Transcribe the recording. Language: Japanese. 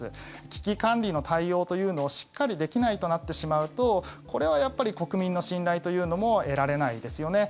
危機管理の対応というのをしっかりできないとなってしまうとこれはやっぱり国民の信頼というのも得られないですよね。